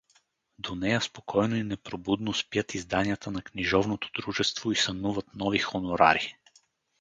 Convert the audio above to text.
До нея спокойно и непробудно спят изданията на Книжовното дружество и сънуват нови хонорари.